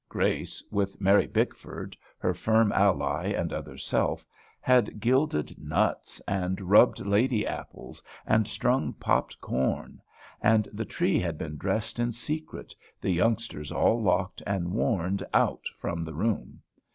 Grace, with Mary Bickford, her firm ally and other self, had gilded nuts, and rubbed lady apples, and strung popped corn; and the tree had been dressed in secret, the youngsters all locked and warned out from the room.